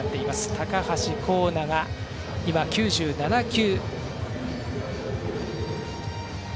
高橋光成が今、９７球。